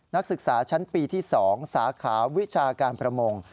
นักศึกษาชั้นปีที่๒สาขาวิชาการประมง